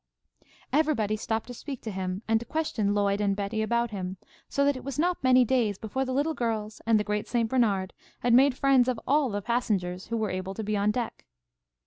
Everybody stopped to speak to him, and to question Lloyd and Betty about him, so that it was not many days before the little girls and the great St. Bernard had made friends of all the passengers who were able to be on deck.